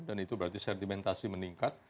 dan itu berarti sedimentasi meningkat